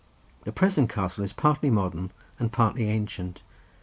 The present castle is partly modern and partly ancient.